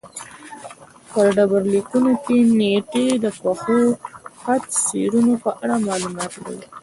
په ډبرلیکونو کې نېټې د پېښو خط سیرونو په اړه معلومات دي